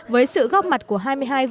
với sự góp mặt của hai mươi hai đồng